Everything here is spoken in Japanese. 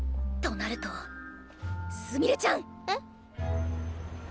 となるとすみれちゃん！